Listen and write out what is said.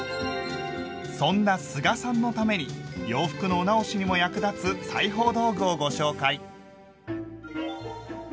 そんな須賀さんのために洋服のお直しにも役立つ裁縫道具をご紹介。